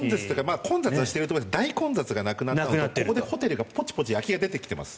混雑はしていると思うんですが大混雑はしていなくてここでホテルがポチポチ空きが出てきています。